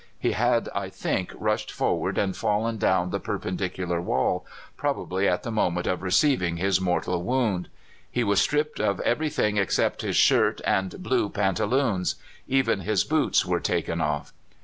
He had, I think, rushed forward and fallen down the perpendicular wall, probably at the moment of receiving his mortal wound. He was stripped of everything except his shirt and blue pantaloons; even his boots were taken off.